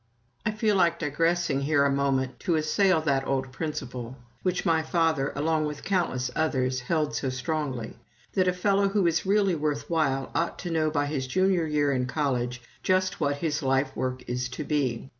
I feel like digressing here a moment, to assail that old principle which my father, along with countless others, held so strongly that a fellow who is really worth while ought to know by his Junior year in college just what his life work is to be.